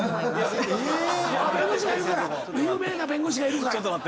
有名な弁護士がいるから。